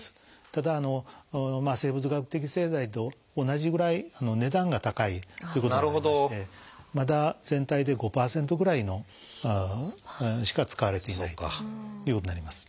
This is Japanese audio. ただ生物学的製剤と同じぐらい値段が高いっていうこともありましてまだ全体で５％ぐらいしか使われていないということになります。